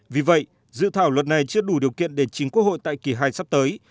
vì vậy dự thảo luật này chưa đủ điều kiện để chính quốc hội tại kỳ hai sắp tới